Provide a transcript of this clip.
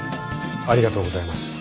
ありがとうございます。